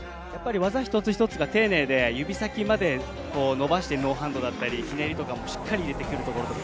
技一つ一つが丁寧で指先まで伸ばして、ノーハンドだったり、ひねりも入れてくる。